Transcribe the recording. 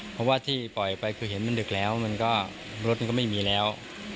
เพราะว่าที่ปล่อยไปคือเห็นมันดึกแล้วมันก็รถมันก็ไม่มีแล้ว